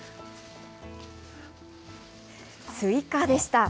スイカでした。